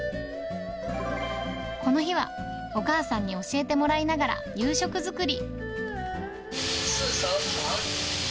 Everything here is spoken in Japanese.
この日は、お母さんに教えてもらいながら夕食作り。